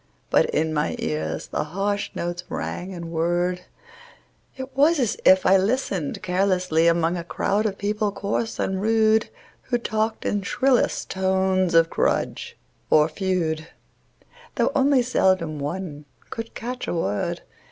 But in my ears the harsh notes rang and whirred; It was as if I listened carelessly Among a crowd of people coarse and rude, Who talked in shrillest tones of grudge or feud, Though only seldom one could catch a word.